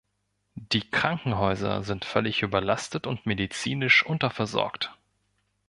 Die Krankenhäuser sind völlig überlastet und medizinisch unterversorgt.